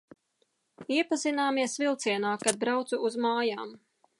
Iepazināmies vilcienā, kad braucu uz mājām.